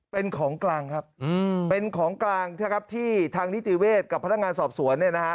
เป็นของกลางครับเป็นของกลางที่ทางนิติเวศกับพนักงานสอบสวน